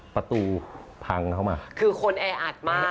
ประตูพังเข้ามาคือคนแออัดมาก